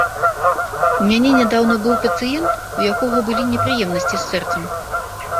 У мяне нядаўна быў пацыент, у якога былі непрыемнасці з сэрцам.